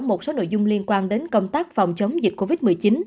một số nội dung liên quan đến công tác phòng chống dịch covid một mươi chín